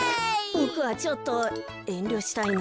ボクはちょっとえんりょしたいな。